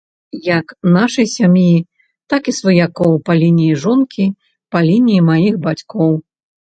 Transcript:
Як нашай сям'і, так і сваякоў па лініі жонкі, па лініі маіх бацькоў.